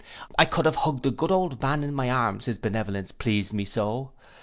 I could have hugged the good old man in my arms, his benevolence pleased me so.